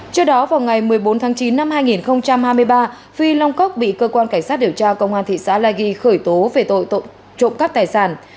trước đó vào ngày một mươi bốn tháng chín năm hai nghìn hai mươi ba phi long cốc bị cơ quan cảnh sát điều tra công an thị xã la ghi khởi tố về tội trộm cắp tài sản